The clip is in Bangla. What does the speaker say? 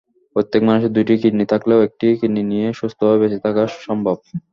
প্রত্যেক মানুষের দুটি কিডনি থাকলেও একটি কিডনি নিয়েও সুস্থভাবে বেঁচে থাকা সম্ভব।